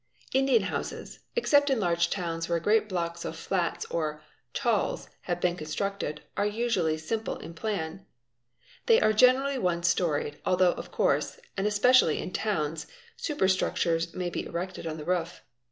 : oecen houses, except in large towns where great blocks of flats or s have been constructed, are usually simple in plan. They are n Bsraty one storied, although of course, and especially in towns, | 58 458 DRAWING AND ALLIED ARTS superstructures may be erected on the roof.